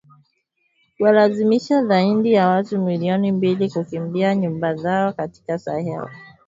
kuwalazimisha zaidi ya watu milioni mbili kukimbia nyumba zao katika Sahel